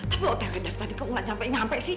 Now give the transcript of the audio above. tapi otot hewe dari tadi kok gak nyampe nyampe sih